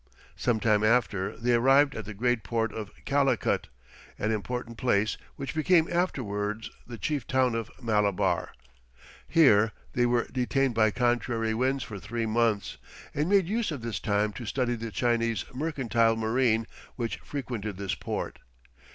Some time after, they arrived at the great port of Calicut, an important place which became afterwards the chief town of Malabar; here they were detained by contrary winds for three months, and made use of this time to study the Chinese mercantile marine which frequented this port.